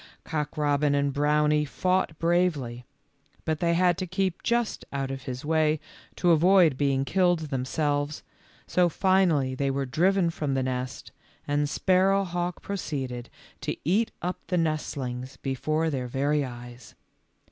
Cock robin and Brownie fought bravely, but they had to keep just out of his way to avoid being killed themselves, so finally they were driven from the nest, and Sparrowhawk pro ceeded to eat up the nestlings before their very eyes.